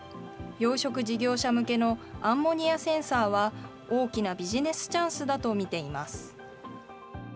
養殖事業者向けのアンモニアセンサーは、大きなビジネスチャンスだと見ています。